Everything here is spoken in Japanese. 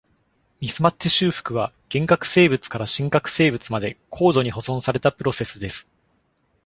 ミスマッチ修復は、原核生物から真核生物まで高度に保存されたプロセスです。